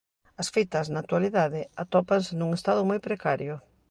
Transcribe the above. As fitas, na actualidade, atópanse nun estado moi precario.